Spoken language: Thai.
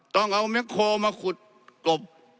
ต้องเอาแม็กโคลมาขุดกบ